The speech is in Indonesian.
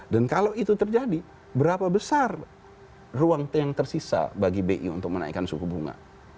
dan kalau itu terjadi berapa besar ruang yang tersisa bagi bi untuk menaikkan suku bunga